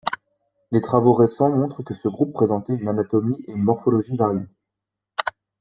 Les travaux récents montrent que ce groupe présentait une anatomie et une morphologie variées.